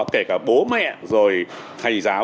kể cả bố mẹ rồi thầy giáo